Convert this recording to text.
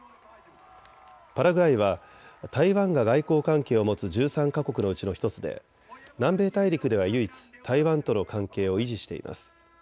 パラグアイは台湾が外交関係を持つ１３か国のうちの１つで南米大陸では唯一、台湾との関係を維持しています。